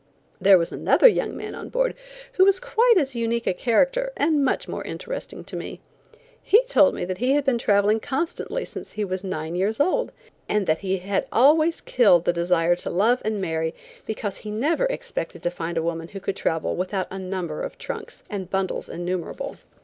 There was another young man on board who was quite as unique a character and much more interesting to me. He told me that he had been traveling constantly since he was nine years old, and that he had always killed the desire to love and marry because he never expected to find a woman who could travel without a number of trunks, and bundles innumerable.